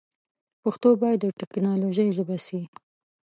پښتو باید د ټیکنالوژي ژبه سی.